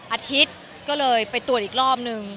อาทิตย์ก็เลยไปตรวจอีกรอบนึง